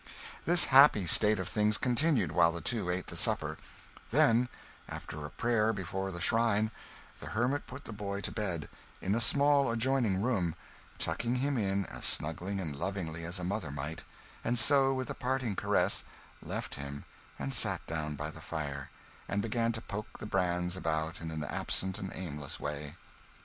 This happy state of things continued while the two ate the supper; then, after a prayer before the shrine, the hermit put the boy to bed, in a small adjoining room, tucking him in as snugly and lovingly as a mother might; and so, with a parting caress, left him and sat down by the fire, and began to poke the brands about in an absent and aimless way.